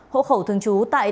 hỗ khẩu thường trú tại